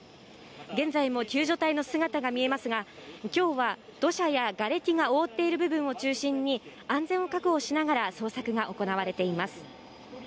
現在も救助隊の姿が見えますが、今日は土砂やがれきが覆っている部分を中心に安全を確保しながら捜索が行われています。